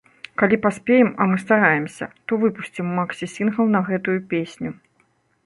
Калі паспеем, а мы стараемся, то выпусцім максі-сінгл на гэтую песню.